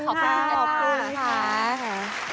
ขอบคุณค่ะ